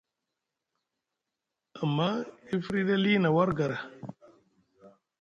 Amma e firyiɗi ali na war gara.